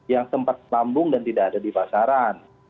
yang sempat lambung dan tidak ada di pasaran